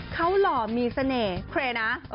เขาหล่อมีเสน่ห์เครย์นะ